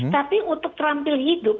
tapi untuk terampil hidup